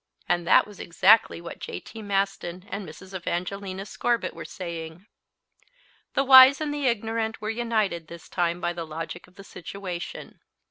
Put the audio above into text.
And that was exactly what J. T. Maston and Mrs. Evangelina Scorbitt were saying. The wise and the ignorant were united this time by the logic of the situation.